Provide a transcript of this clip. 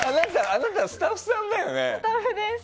あなた、スタッフさんだよね。